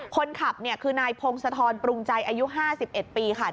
คนขับเนี่ยคือนายพงศธรปรุงใจอายุ๕๑ปีค่ะ